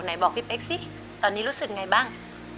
ไหนบอกพี่เป๊กซิตอนนี้รู้สึกไงบ้าง